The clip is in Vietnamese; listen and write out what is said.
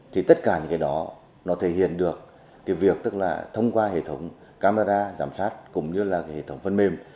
thì tất cả những cái đó nó thể hiện được việc tức là thông qua hệ thống camera giảm sát cũng như là hệ thống phân mềm